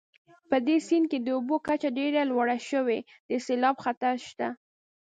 په دې سیند کې د اوبو کچه ډېره لوړه شوې د سیلاب خطر شته